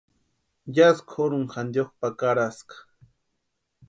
Yásï kʼoruni jantiakʼu pakaraska.